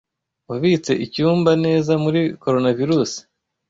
Wabitse icyumba neza muri Coronavirus?